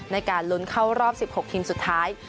ในการลุ้นเข้ารอบ๑๖ทีมสุดท้าย